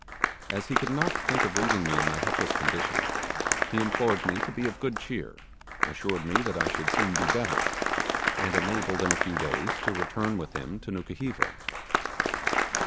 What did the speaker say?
As he could not think of leaving me in my helpless condition, he implored me to be of good cheer; assured me that I should soon be better, and enabled in a few days to return with him to Nukuheva.